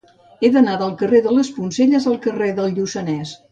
He d'anar del carrer de les Poncelles al carrer del Lluçanès.